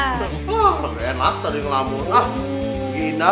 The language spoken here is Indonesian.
hah beneran lah tadi ngelamun ah gila